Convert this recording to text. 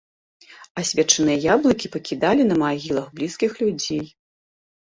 Асвечаныя яблыкі пакідалі на магілах блізкіх людзей.